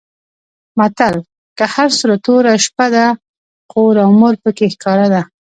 متل؛ که هر څو توره شپه ده؛ خور او مور په کې ښکاره ده.